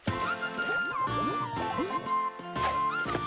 あ！